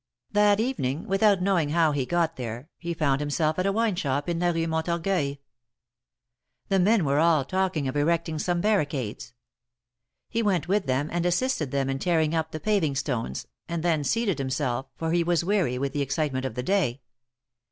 That evening, without knowing how he got there, he found himself at a wine shop in la Rue Montorgueil. The men were all talking of erecting some barricades. He went with them, and assisted them in tear ing up the paving stones, and then seated himself, for he was weary with the excitement of the day.